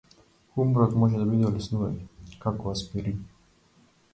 Хуморот може да биде олеснување, како аспирин.